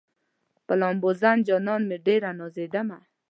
په لامبوزن جانان مې ډېره نازېدمه